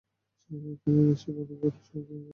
তিনি এ নির্দেশ পালন করেন এবং সবাইকে খাৎনা করান।